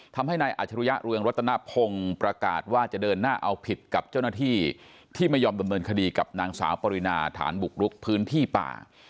ทำให้นายอาจรุยะเรืองรัตนพงศ์ประกาศว่าจะเดินหน้าเอาผิดกับเจ้าหน้าที่ที่ไม่ยอมดำเนินคดีกับนางสาวปรินาฐานบุกรุกพื้นที่ป่า